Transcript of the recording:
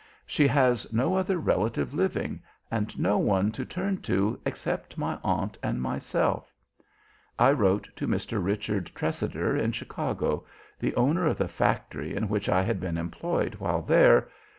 She has no other relative living, and no one to turn to except my aunt and myself. I wrote to Mr. Richard Tressider in Chicago, the owner of the factory in which I had been employed while there.